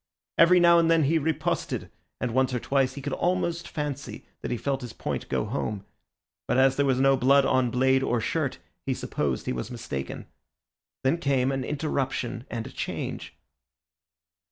Every now and then he riposted, and once or twice he could almost fancy that he felt his point go home, but as there was no blood on blade or shirt he supposed he was mistaken. Then came an interruption and a change.